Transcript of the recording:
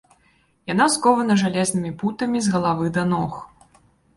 Яна скована жалезнымі путамі з галавы да ног.